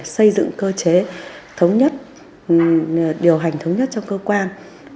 xây dựng cơ chế thống nhất điều hành thống nhất trong cơ quan